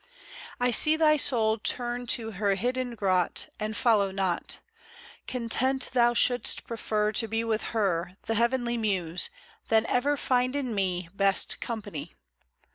I see thy soul turn to her hidden grot, And follow not ; Content thou shouldst prefer To be with her. The heavenly Muse, than ever find in me Best company.